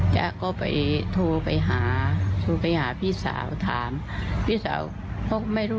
ก็ไปทูไปหาทูไปหาพี่สาวถามพี่สาวเขาไม่รู้